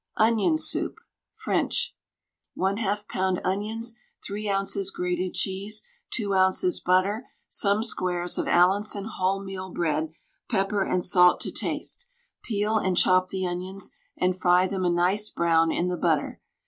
ONION SOUP (French). 1/2 lb. onions, 3 oz. grated cheese, 2 oz. butter, some squares of Allinson wholemeal bread, pepper and salt to taste. Peel and chop the onions, and fry them a nice brown in the butter.